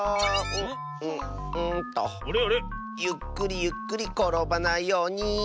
ゆっくりゆっくりころばないように。